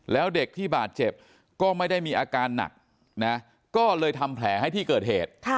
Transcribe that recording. แล้วเด็กที่บาดเจ็บก็ไม่ได้มีอาการหนักนะก็เลยทำแผลให้ที่เกิดเหตุ